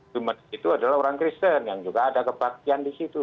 jumad itu adalah orang kristen yang juga ada kebaktian di situ